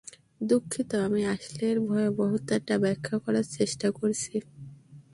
দুঃখিত, আমি আসলে এর ভয়াবহতাটা ব্যাখ্যা করার চেষ্টা করছি!